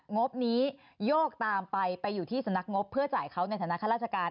งบนี้โยกตามไปไปอยู่ที่สำนักงบเพื่อจ่ายเขาในฐานะข้าราชการ